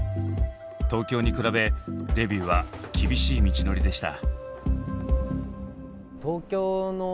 東京に比べデビューは厳しい道のりでした。